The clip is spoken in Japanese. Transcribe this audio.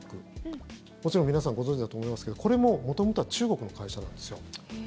もちろん皆さんご存じだと思いますけどこれも、元々は中国の会社なんですよ。